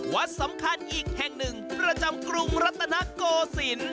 วัดสำคัญอีกแห่งหนึ่งประจำกรุงรัตนโกศิลป์